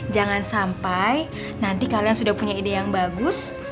jangan sampai nanti kalian sudah punya ide yang bagus